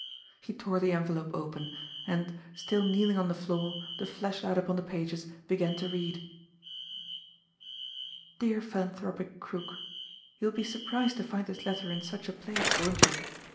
He tore the envelope open, and, still kneeling on the floor, the flashlight upon the pages, began to read: "Dear Philanthropic Crook: You will be surprised to find this letter in such a place, won't you?